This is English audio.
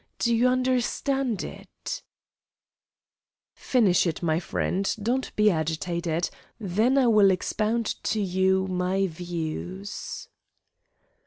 Do you understand it?" "Finish it, my friend, don't be agitated; then I will expound to you my views."